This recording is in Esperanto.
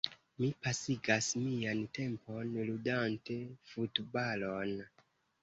Mi pasigas mian tempon ludante futbalon.